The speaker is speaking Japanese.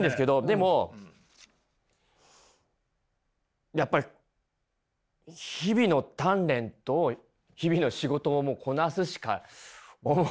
でもやっぱり日々の鍛錬と日々の仕事をこなすしか思いつかないですね。